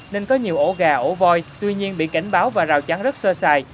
nên có nhiều ổ gà ổ voi tuy nhiên bị cảnh báo và rào chắn rất sơ sài